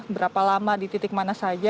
berapa lama di titik mana saja